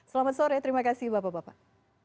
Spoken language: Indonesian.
selamat sore terima kasih bapak bapak